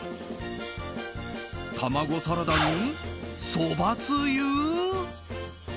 たまごサラダにそばつゆ？